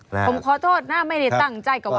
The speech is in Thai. ผมขอโทษนะไม่ได้ตั้งใจกับว่า